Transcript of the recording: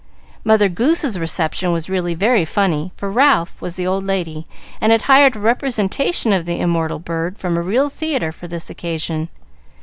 Mother Goose's Reception was really very funny, for Ralph was the old lady, and had hired a representation of the immortal bird from a real theatre for this occasion.